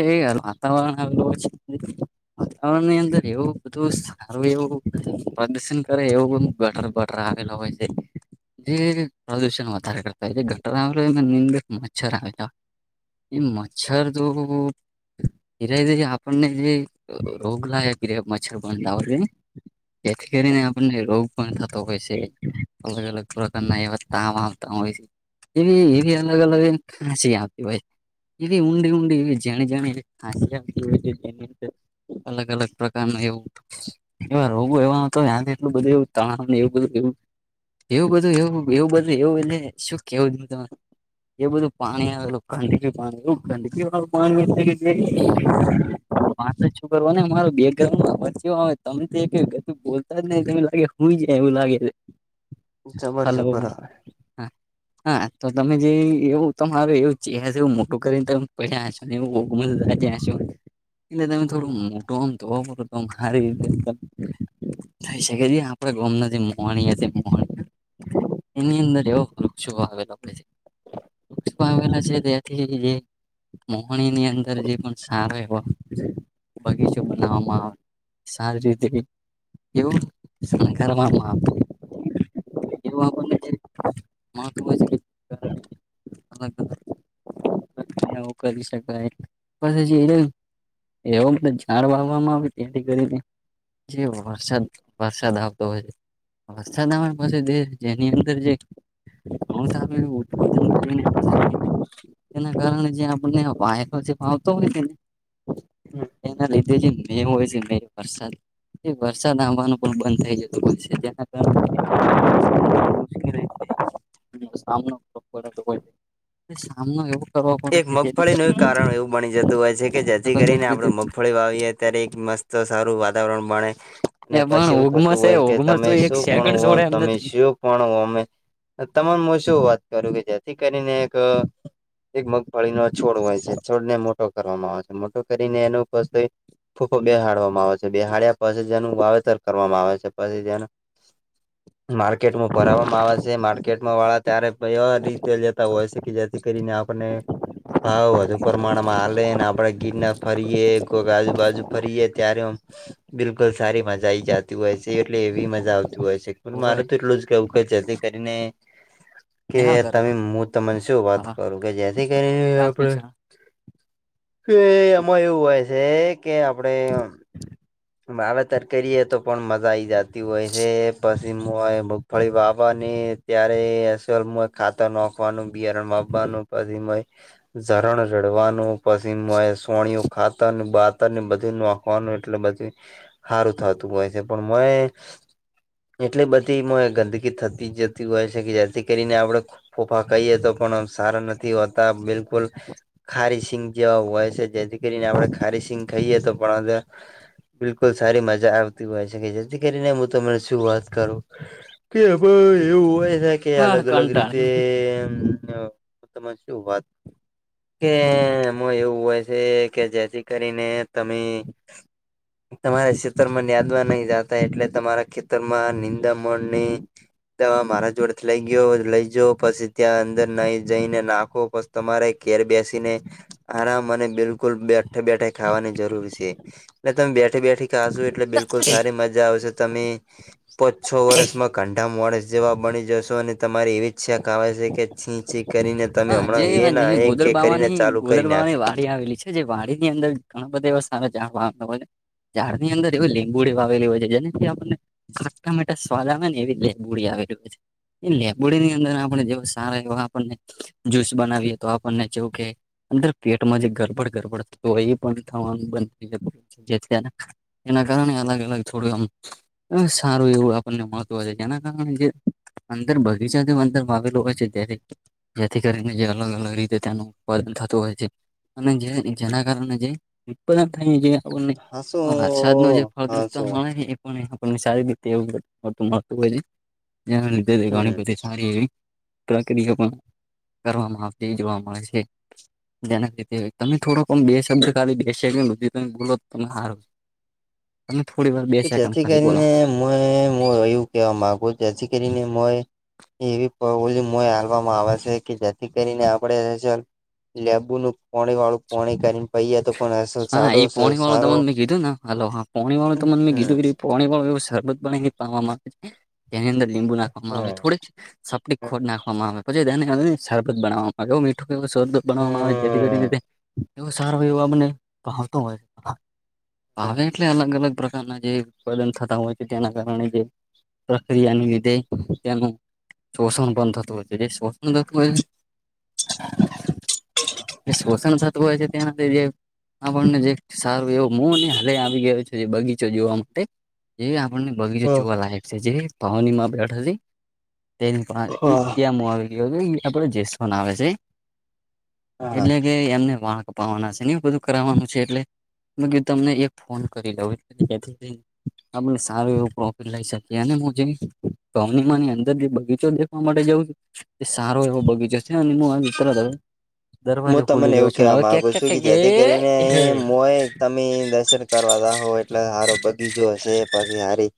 એ ગ વાતાવરણ આવે વાતાવરણની અંદર એવું બધું સારું એવું પ્રદર્શન કરે એવું ગટર બટર આવેલો હોય છે. જે પ્રદુષણ વધારે કરતા હોય ગટરા આવે એ નિ મચ્છર આવે. એ મચ્છર તો હિરા આપણને જે રોગ લ બિર મચ્છર બંંધ. જેથી કરીને આપણને રોગ પણ થતો હોય છે, અલગ અલગ પ્રકારના એવા ત હોય એવી એવી અલગ અલગસી આપતી હોય છે, એવી ઊંડી ઊંડી એવી જાણી જા ખાંસી આવતી હોય છે જેની અંદર અલગ અલગ પ્રકાર ન એવું. એવા રોગો એવા હતો યાથી એટલું બધું એવું તણાવ ને એવું બધું એવું એવું બધું એવું એવું બધું એવું એટલે શું કેવું તમે. એ બધું પાણી આવેલું ગંદકી પાણી ગંદકી મ મ [unintelligible] વા તો જ શું કરવા ને મારો બેકગ્રાઉન્ડમાંચ તમ બોલતા જ નને એ લાગે. હું જ એવું લાગે છે, જબર હલો હ. જબર આવે. હા તો તમે જે એવું તમારું એવું ચે એવું મોટું કરીને તમે પડ્યા છો. અને એ ત્યાં શ. એટલે તમે થોડું મોટું આમ તો પડો તો મારી. થઈ શકે છે આપડે ગમ નથી મો મો. એની અંદર એવો વૃક્ષો આવેલો આપડે. વૃક્ષ આવેલા છે ત્યાંથી જે- મોહણી ની અંદર જે પણ સારો એવો બગીચો બનાવવામાં આવે. સારી રીતે એવું શકારમાં આવતું. એું આપ મહત્ અલ [unintelligible] કરી શકાય, પ જે એવોમ તો જાડ વાવવામાં આવે ત્યાંથી કરીને. જે વરસાદ વરસાદ આવતો હય છે. અવસ્થા પાસે દ જેની અંદર જે હ તો આપ ઉત્પાન, એના કારણે જે વાયકલો જે શિખાવતો ને તેને એના લીધે જે મે હોય છે મે વરસાદ એ વરસાદ આવવાનું પણ બંધ થઈ જતું હોય છે જેના કારણે સામનો એવું કરવા એક પડે. કે જેથી કરી મગફળીનું કારણ એવું બની જતું હોય છે કે અલગ જેથી જ કરીને આપણે રીતે મગફળી વાવીએ. અત્યારે એક મસ્ત સારું વાતાવરણ બણે. એ અનેને પણ પછી એવું થતું ઓગમસ એ હોય કે ઓગમસ તો તમે એક શું પણ સેકન્ડ હો છોડે એમ તમે નથી શું પણ અમે તમામ શું વાત કરું કે જેથી કરીને એક એક મગફળીનો છોડ હોય છે છોડ ને મોટો કરવામાં આવે છે મોટો કરીને એનો પછી [unintelligible] બેહાડવામાં આવે છે બેહાડ્યા પછી જેનું વાવેતર કરવામાં આવે છે પછી જેનું માર્કેટમાં ભરાવામાં આવે છે માર્કેટમાં વાળા ત્યારે કવા રીતે લેતા હોય છે કે જેથી કરીને આપને. [inaudible] ભાવ વધુ પ્રમાણમાં હાલે ને આપણેે ગીરના ફરીએે કોઈક આજુબાજુ ફરીએે ત્યારે બિલકુલ સારી મજા આઈ જતી હોય છે એટલે એવી મજા આવતી હોય છે પણ હોવે મારે તો એટલું જ કું જલ્દી કરીને કે નિહાળ કરે તમે પણ હું તને શું વાત હા કરું. કે જેથી કરીને પ્રાથમિક આપડે શાળા એ એમાં એવું હોય છે. કે આપણે હ [unintelligible] વાવેતર કરીએ તો પણ મજા આવી જતી હોય છે પછી મ હોય. ફળી બાબા ને ત્યારે સલ ખાતર નખવાનું. બિયારણ માવાનું પછીમય ઝરણ રડવાનું પછી મય સોણિય ખાતર બાતરને બધું નાખવાનું એટલે બધું સારું થતું હોય છે પણ મયે એટલે બધીમાં ગંદકી થતી જતી હોય છે કે જેથી કરીને આપડે ફોફા કહીએ તો પણ સારા નથી હોતા બિલકુલ ખારી સિંગ જેવા હોય છે જેથી કરીને આપડે ખારી સિંગ ખાઈએ તો પણ બિલકુલ સારી મજા આવતી હોય છે કે જેથી કરીને હું તમને શું વાત કરું? કે એવું હોય છે કે હા અલગ અલગ રીતે કંટાળી તમા શું વાત કે એમાં એવું હોય છે કે જેથી કરીને તમે તમારા ખેતરમાં ન્યાદમાં નહી જતા એટલે તમારા ખેતર માં નિંદામણની દવા મારા જોડેથી લઈ ગયો લઈ જા પછી ત્યાં અંદર ન જઈને નાખો પછ તમારે ઘેર બેસીને આરામ મ અને બિલકુલ બેઠે બેઠે ખાવાની જરૂર છે. એટલે તમે બેઠી બેઠી ખાશો એટલે બિલકુલ સારી મજા આવશે તમે પા છ વર્ષમાં કંઢા માણસ જેવા બની જશો અને તમારે એવીચછા ક આવે છે કે છીચી કરીને તમે હા જે હમણાં એ ના અહીંયા એ કે કરીને ગોદરબાવાની ચાલુ કરી ગોદરબાવાની નાખી વાડી આવેલી જે વાડી ની અંદર ઘણા બધા એવા સારા જ હોને ઝાડની અંદર એવી લીંબુડી વાઆવેલી હોય છે જેનાથી આપણને ખાટ સોદા આવે ને એવી લેબુડી આવેલી હો છે એ લેબુડી ની અંદર આપણે જેવ સારા એવ આપણને જ્યુસ બનાવીએ તો આપણને જેવું કે અંદર પેટમાં જે ગરબડ ગરબડ થ એ પણ થવાનું બંધ થ જતું હો જે એના કારણે અલગ અલગ થોડું આમ સારું એવું આપણને મહત્વ છે જેના કારણે જે અંદર બગીચાથી અંદરમાં આવેલું હોય છે ત્યારે જેથી કરીને જે અલગ અલગ રીતે તેનું ઉત્પાદન થતું હોય છે. અને જે જેના કારણ જેદ [unintelligible] થય જે હાસો વરસાદ નુ જે ફળદ્રુપતા હાસો મળે એ પણ સારી રીતે એવું મળતું હોય જેના લીધ [unintelligible] હમ ણી બધી સારી ત્રક [unintelligible] દિ પણ કરવામાં આવતી એ જોવા મળે છે. જેના લીધ તમે થોડોક બે શબ્દે બેધ ત બોલો તમે હાર ત થોડી વાર બેસે એ ખલી બોલો. મોહ મોહ એવું કેવા મા આવે કોઇ [unintelligible] જેથી કરીને મોહ એવી [unintelligible] આવે છે કે જેથી કરીને આપડે લેંબુ નું પાણી વાળું પાણી કરીને પહીએ તો પણ અસલ સાડો સારો હલો હા પોણી વાળું તો મને મેં હમ કીધું પોણી વાળું એવું સરરબત પોણી પાવામાં એની અંદર લીંબુ નાખવામાં આવે થોડીક સપટી ખોન નાખવામાં આવે. પછીને [unintelligible] શરબત બનાવવામાં આવે મીઠું [unintelligible] બનાવામાં આવે જેથી કરીને તે એવો સારો એવુંમને ભાવતો હોય ભાવે એટલે અલગ અલગ [unintelligible] થતા હોય છે તેના કારણે જે પ્રક્રિયાને લીધે તેનું શોષણ બંધ થતું હોય છે તે [unintelligible] શોષણ થતુ છે ત્યાં જે આપણને જે સારું એવું [unintelligible] હલે આવી ગયો છું બગીચો જોવા માટે એ આપણને બગીચો હા જોવાલાયક છે જે પાવની માં બેઠ હતી તે ત્યાં આવી ગયો એ આપડ જેસ પણ આવે છે એટલે કે એમને વાળ કપવાના છે ને એ બધું કરવાનું છે એટલે મેં કીધુંતમને એક ફોન કરી લઉ [unintelligible] આપને સારું એવું પ્રોફિટ લઈ શકીએ અને હું જે [unintelligible] અંદર જે બગીચો માટે જવું એ સારો એવો બગીચો છે [unintelligible] દરવાજો હું ખોલી રહ્યો છેું ને હવે ક્યાક ક્યાકે [inaudible] હોય તમે દર્શન કરવા જાહો એટલે હારો બગીચો હશે પછી સારી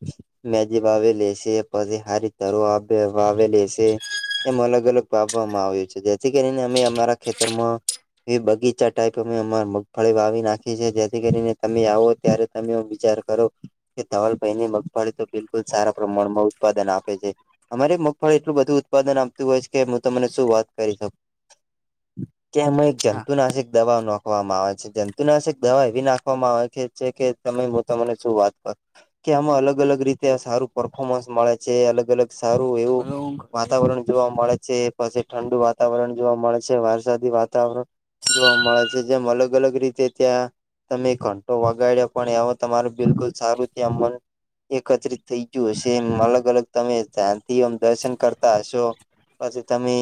મેજી વાવેેલી શે પસે હારી તારું આપ બે વાવેેલી શે એમ અલગ અલગ પાવામાં આવ્યું છે જેથી કરીને અમે અમારા ખેતરમાં એ બગીચા ટાઈપ અમે અમા મગફળી વાવી નાખી છે જેથી કરીને તમે આવો ત્યારે તમે વિચાર કરો કે ધવલ ભાઈની મગફળી તો બિલકુલ સારા પ્રમાણમાં ઉત્પાદન આપે છે. અમારે મગફળી એટલું બધું ઉત્પાદન આપતું હોય છે કે હું તમને શું વાત કરી શકુ કેમાં એક હા જંતુ નાશક દવા નો નાંખવામાં આવે છે જંતુ નાશક દવા એવી નાખવામાં આવે છે છે કે તમે હું તમને શું વાત કરુ કે આમાં અલગ અલગ રીતે સારું પર્ફોર્મન્સ મળે છે અલગ અલગ સારું એવું વાતાવરણ જોવા મળે છે પછી ઠંડુ વાતાવરણ જોવા મળે છે. વરસાદી વાતાવરણ જોવા મળે છે જેમ અલગ અલગ અલગ રીતે ત્યાં તમે ઘંટો વગાડ્યા પણ તમારું બિલકુલ સારું ત્યાં એકત્રિત થઈ ગયું હશે એમ અલગ અલગ તમે ધ્યાનથી આમ દર્શન કરતા હશો. પછી તમે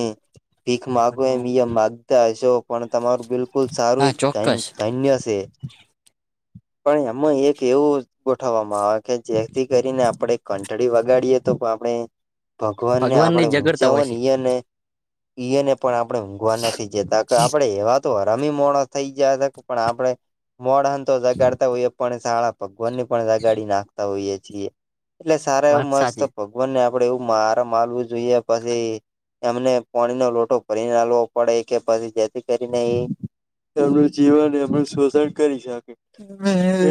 ભીખ માગો એમ માગતા હશો પણ તમારું બિલકુલ સારું હા એક ચોક્કસ ધા ન્યશે પણ એમાં એક એવું ગોઠવવામાં આવે કે જેથી કરીને આપણે ઘંટડી વગાડીએ તો આપણે ભગવાનને આપડે જગડતા ઊંચા હો હોય ને છે ઈ ને ઈય ને પણ આપણે નથી જતા આપડે એવા તો હરમી મોડ થઈ ગયા પણ આપડે મોડ તો જગાડતા હોઈએ પણ શાળા ભગવાન ને પણ જગાડી નાખતા હોઈએ છીએ. એટલે સારા એવું વાત મસ્ત સાચી ભગ વાનને આપડે એવું આરામ આલવું જોઈએ પછી એમને પાણી ની લોટો ભરીને આલવો પડે કે પછી જેથી કરીને એમનું જીવન એમનું શોષણ કરી શકે.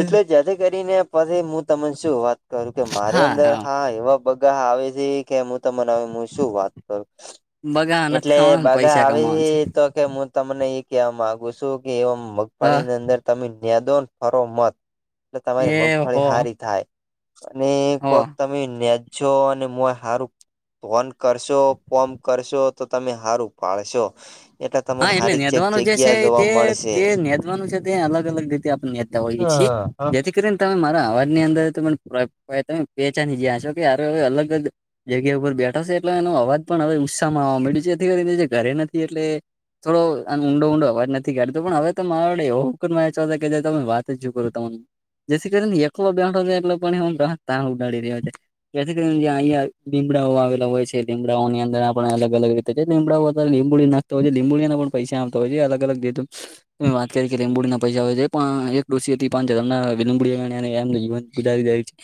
એટલે જેથી કરીને પછી હું તમને શું વાત કરું કે મારી અંદર હા એવા બગા આવે છે કે હું તમને શું વાત કરું બગા નથી એટલે ખાવાનું બાગા પૈસા આવે કમાવાનું છે છે તો કે હું તમને એ કેવા માંગુ છું કે એ મગફળીની અંદર. તમે નેદોન ફરો મત એટલે હ તમારી એ હો મગફળી હારી થાય. અને હો કોક તમે નેનેજો અને મો હારું કોમ કરશો કોમ કરશો તો તમે હારું ઉપાડશો હા એટલે નેધવાનું જે છે જોવા તે મળશે તે નેધવાનું છે તે અલગ અલગ રીતે આપણે ઈ છી જેથી. ને તમે મારા અવાજ ની અંદર તમે વેચાની જયા છો કે અલગ જ. જગ્યા ઉપર બેઠા છે એટલે એનો અવાજ પણ હવે ઉત્સાહમાં આવવા મળ્યો છે જેથી કરીને જે ઘરે નથી એટલે. થોડો અ ઊંડો ઊંડો અવાજ નથી કાઢતો પણ હવે તો મારા વડે એવક કે તમે વાત જ કરો તમા. જેથી કરીને એક બેઠાય એટલે પણ તં ઉડાડી રહ્યો છે. જેથી કરીને યા અહંયા લીમડાઓ આવેલા હોય છે લીમડાઓ ની અંદર આપણે અલગ અલગ. લડા લીંબુડી નાખતા હોય છે લીંબુડીના પણ પૈસા આવતા હોય છે અલગ અલ જેતુ. વાત કરી કે લીંબુડી ના પૈસા આવે પણ એક ડોસી હતી પાં હમ લીંબડી એમી. ગુજારી દાય છે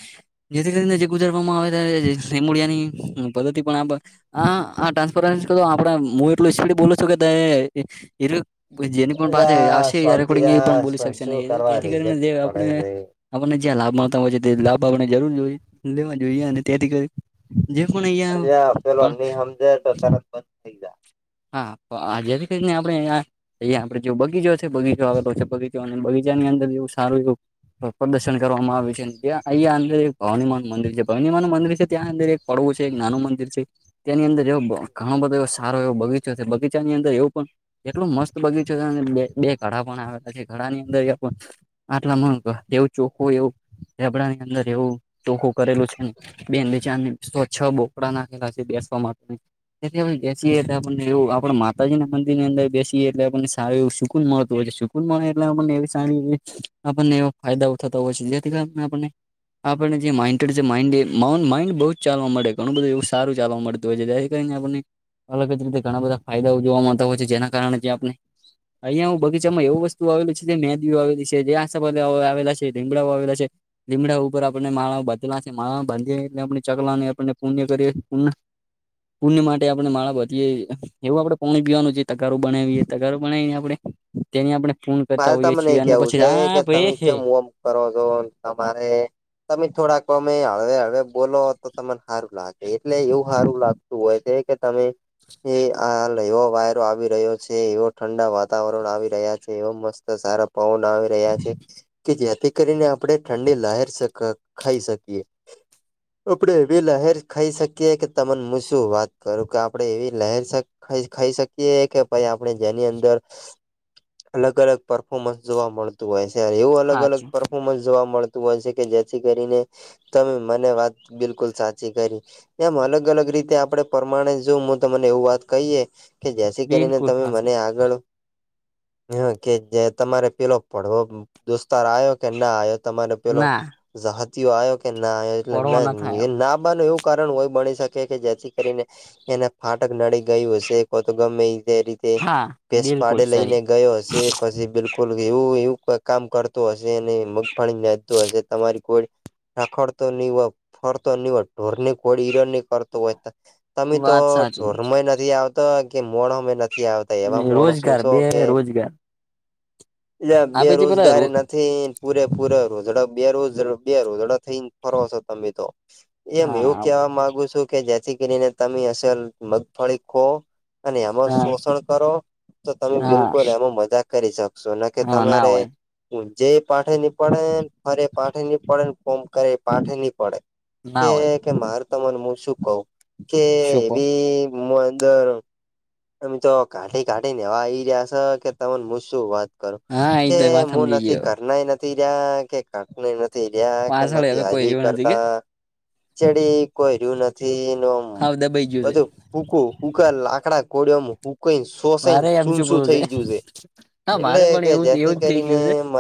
જેથી કરીને જે ગુજારવામાં આવેમળિયાની પદ્ધતિ પણ આ. હા હ ટ્રાન્સપો આપડે હું એટલું બોલું છું કે. છ જેની પણ પાસે અલ્યા આવશે શાંતિ રેકોર્ડિંગ એ પણ યાર બોલી શકશે ન શું કરવા તેથી કરીને રિજેક્ટ જે પડે આપણે. છે આપણને જ્યાં લાભ મળતા હોય છે તે લાભ આપણે જરૂર જોઈએ લેવા જોઈએ અને ત્યાંથી કરી. જે પણ ઈયા. સમજ દકાન બંધ થઈ ગ. [inaudible] હા આજે થી કરી આપણે આ. અહીંયા આપે જેવ બગીચો છે બગીચો આવેલો છે બગીચો અને બગીચાની અંદર એવું સારું એવું. પ્રદર્શન કરવામાં આવે છે અહીંયાંદ. ભવાનીમા નુ મંદિર છે ભવાનીમા નનું મંદિર છે ત્યાં અંદર એક પડવું છે એક નાનું મંદિર છે. તેની અંદર એવો ઘણો બધો એવો સારો એવો બગીચો છે બગીચાની અંદર એવું પણ. એટલું મસ્ત બગીચો છે બે બે ઘડા પણ આવેલા છે ઘડા ની અંદર. આટલામાં એવું ચોખ્ખું એવું રબડા ની અંદર એવું ચોખ્ખું કરેલું છે ને. બે બે ચાર ને છ બોકડા નાખેલા છે બેસવા માટે તેથી અમે બેસીએ. આપને એવું આપણા માતાજી ના મંદિર ની અંદર બેસીએ એટલે આપણને સારું એવું સુકુન મળતું હોય છે. મળે એટલે એમને સારી આપણને એવો ફાયદાઓ થતા હોય છે જેથી કરીને આપને. આપણને જે માઇન્ડેડ છે માન્ડ માઇન્ડ બઉુ જ ચાલવા મળે ગડુ બધું એવું સારું ચાલવા મળે. થી કરીને આપણને અલગ જ રીતે ઘણા બધા ફાયદાઓ જોવા મળતા હોય છે જેના કારણે જે આપણે. અહિયાં હું બગીચામાં એવું વસ્તુ વાવેલી છે જે મેંદદીઓ વાવેલી છે જે આસોપાલવ વાવેલા છે લીમડાઓ વાવેલા છે. લીમડા ઉપર આપણે માળા બાંધલા છે માળા બાંધીએ એટલે આપણે ચકલાને આપને પુણ્ય કરીએ પુણ્ય. પુણ્ય માટે આપણે માળા બધ. જે એવું આપડે પાણી પીવાનું છે તગારુ બનાવીએ તગારુ બનાવીને આપડણે. તેની આપણે પુણ્ય કરતા મારે હોઈએ તમને છીએ અને કેવું પછી છે કે હા ભ‌ઈ. તમે ચમ ઓમ કરો છો તમારે. તમે થોડાકમે હળવે હળવે બોલો તો તમને સારું લાગે એટલે એવું સારું લાગે. તું હોય છે કે તમે. એ હાલ એવો વાયરો આવી રહ્યો છે એવો ઠંડા વાતાવરણ આવી રહ્યા છે. એવા મસ્ત સારા પવન આવી રહ્યા છે. કે જેથી કરીને આપણે ઠંડી લહેર ખાઈ શકીએ. . [unintelligible] આપણે એવી લહેર ખાઈ શકીએ કે તને શું વાત કરું કે આપડે એવી લહેર. ખાઈ ખાઈ શકીએ કે પછ આપણે જેની અંદર. અલગ અલગ પરર્ફોર્મન્સ જોવા મળતું હોય છે એવું અલગ અલગ હાચું પર. હુ જોવા મળતું હોય છે કે જેથી કરીને તમે મને વાત બિલકુલ સાચી કરી. એમ અલગ અલગ રીતે આપડે પરમાણે જો તમને એવું વાત કહીએ. કે જથી કરીને બિલકુલ તમે હાચું મને આગળ. હ કે જે તમારે પેલો પડવો દોસ્તાર આયો કે ના આયો તમારે પેલો ના જહાતીયો આયો કે ના આવ્યો એટલે પડવો ન મે થયો ના બને એવું કારણ હોય બની શકે કે જેથી કરીને એને ફાટક નડી ગયું હશે કો તો ગમે તે. તે હા ભેસ બિલકુલ પાડે સહી લઈને. ગયો હશે પછી બિલકુલ એવું એવું કઈ કામ કરતું હશે અને મગફળી નાંધતું હશે. તમારી કોડ. રખડતો નીવ ફરતો ઢોરની ઘોળ હીરન કરતો હોય ત તમે તો વાત સાચી ઢોરમાં નથી આવતો કે મોણોમાંય નથી આવતા એવા મોણશો રોજગાર છો બે કે રોજગાર એલે આપે જે પેલા રો બેરોજગારી નથી પૂરે પૂરે રોજડા બેરોજ બે રોજડા થઈન ફરો છો તમે તો એમ એવું હા કેવા માંગુ છું કે જેથી કરીને તમે અસર મગફળી ખો અને એમાં હા શોષણ કરો તો તમે હા બિલકુલ એમાં મજા કરી શકશો ન કે હા ના તમારે હોય જે પાઠેની પડે ફરે પાડે નહી પાડેને ફોમ કરે પાઠ નહી પાડે ના કે હોય કે મારે તને હું શું કહું કે શું કહો એવી અંદર અમે તો કાઢી કાઢી નેવા ઈ રહ્યા છે કે તને મુસું વાત કર હા એ કે તો વાત હું સમજી નથી ગયો કરનાય ન થી જા કે કાટને નથી રહ્યા કે પાછળ નથી હવે કોઈ હજી રહ્યો નથી કે કરતા. ચડી કોઈ રહ્યું નથી એનુંમ હા દબાઈ ગયું છે બધું હુકુ હુકા લાકડા કોડમ હુ કઈ શોષાઈને મારે એમ શું શું કરવું થઈ ગય છે હા મારે એટલે પણ કે એવું જેથી એવું જ થઈ કરીને ગયું છે મારે